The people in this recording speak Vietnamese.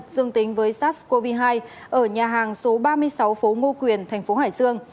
dương tính với sars cov hai ở nhà hàng số ba mươi sáu phố ngô quyền thành phố hải dương